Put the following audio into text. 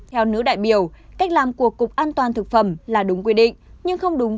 theo nữ đại biểu cách làm của cục an toàn thực phẩm là đúng quy định nhưng không đúng